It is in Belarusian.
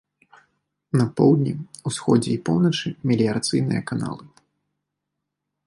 На поўдні, усходзе і поўначы меліярацыйныя каналы.